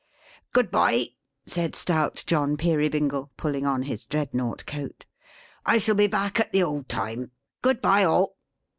"Good bye!" said stout John Peerybingle, pulling on his dreadnought coat. "I shall be back at the old time. Good bye all!"